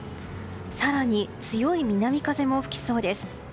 更に強い南風も吹きそうです。